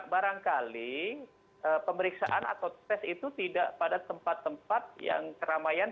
barangkali pemeriksaan atau tes itu tidak pada tempat tempat yang keramaian